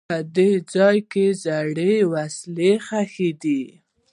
په دې ځای کې زړې وسلې ښخي دي.